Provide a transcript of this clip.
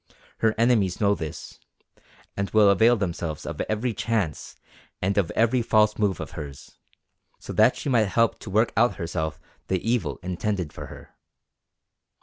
Her enemies know this, and will avail themselves of every chance and of every false move of hers; so that she might help to work out herself the evil intended for her.